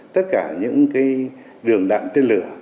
tất cả những cái đường đạn tên lửa